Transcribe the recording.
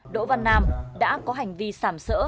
đỗ văn nam đã có hành vi sảm sỡ